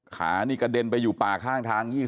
ขานี่กระเด็นไปอยู่ป่าข้างทาง